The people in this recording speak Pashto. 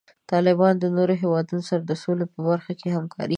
طالبان د نورو هیوادونو سره د سولې په برخه کې همکاري کوي.